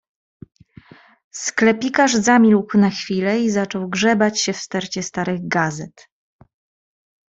"Sklepikarz zamilkł na chwilę i zaczął grzebać się w stercie starych gazet."